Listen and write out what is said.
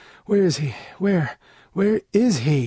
Where is he? Where? Where is he?